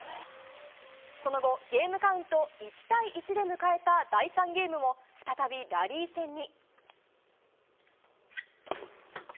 その後、ゲームカウント１対１で迎えた第３ゲームも再びラリー戦に。